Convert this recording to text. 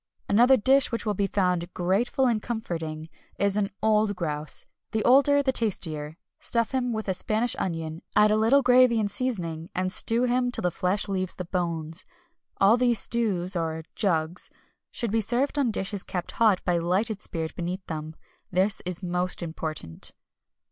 Another dish which will be found "grateful and comforting" is an old grouse the older the tastier. Stuff him with a Spanish onion, add a little gravy and seasoning, and stew him till the flesh leaves the bones. All these stews, or "jugs" should be served on dishes kept hot by lighted spirit beneath them. This is most important.